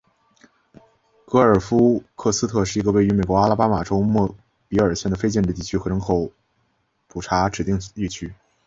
格尔夫克斯特是一个位于美国阿拉巴马州莫比尔县的非建制地区和人口普查指定地区。